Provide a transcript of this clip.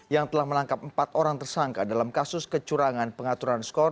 yang telah menangkap empat orang tersangka dalam kasus kecurangan pengaturan skor